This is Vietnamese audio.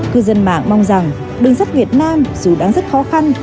cư dân mạng mong rằng đường sắt việt nam dù đang rất khó khăn